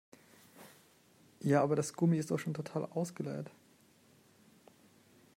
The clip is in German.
Ja, aber das Gummi ist doch schon total ausgeleiert.